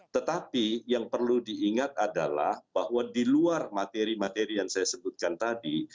tetapi yang perlu diingat adalah bahwa di luar materi materi yang saya sebutkan tadi